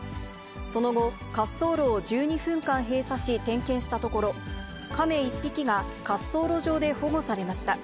その後、滑走路を１２分間閉鎖し、点検したところ、カメ１匹が、滑走路上で保護されました。